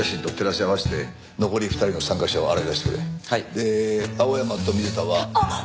で青山と水田は。